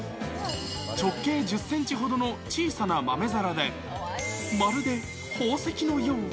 直径１０センチほどの小さな豆皿で、まるで宝石のよう。